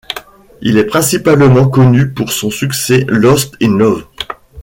Il est principalement connu pour son succès Lost in Love.